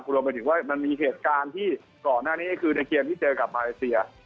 รวมไปถึงว่ามันมีเหตุการณ์ที่ก่อนหน้านี้ก็คือในเกมที่เจอกับมาเลเซีย